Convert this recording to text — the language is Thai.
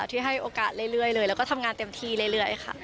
ที่ให้โอกาสเรื่อยเลยแล้วก็ทำงานเต็มที่เรื่อยค่ะ